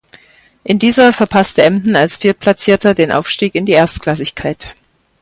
In dieser verpasste Emden als Viertplatzierter den Aufstieg in die Erstklassigkeit.